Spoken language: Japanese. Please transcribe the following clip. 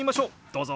どうぞ。